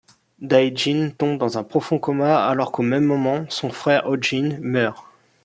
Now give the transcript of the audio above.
Dae-jin tombe dans un profond coma alors qu'au même moment, son frère Ho-jin meurt.